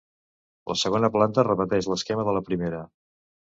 La segona planta repeteix l'esquema de la primera.